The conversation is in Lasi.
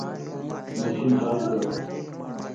مشين چالو ڪر